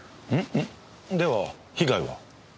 では被害は？